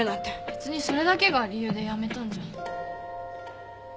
別にそれだけが理由で辞めたんじゃ。